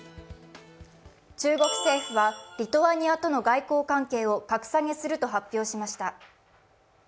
中国政府はリトアニアとの外交関係を格下げすると発表しました。